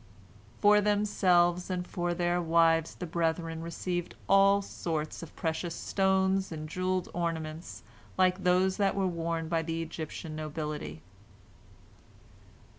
For themselves and for their wives the brethren received all sorts of precious stones and jewelled ornaments, like those that are worn by the Egyptian nobility.